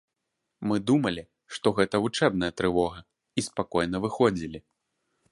Мы думалі, што гэта вучэбная трывога і спакойна выходзілі.